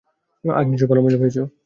আজ নিশ্চয়ই ভালো মজা পেয়েছে?